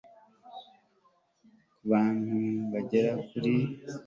ku bantu bagera kuri